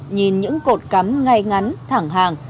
nhìn những cột cắm ngay ngắn thẳng hàng